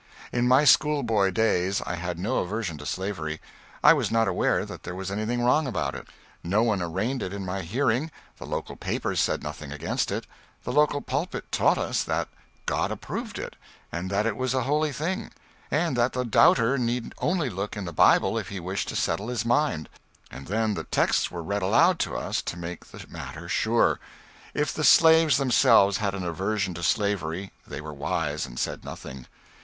In my schoolboy days I had no aversion to slavery. I was not aware that there was anything wrong about it. No one arraigned it in my hearing; the local papers said nothing against it; the local pulpit taught us that God approved it, that it was a holy thing, and that the doubter need only look in the Bible if he wished to settle his mind and then the texts were read aloud to us to make the matter sure; if the slaves themselves had an aversion to slavery they were wise and said nothing.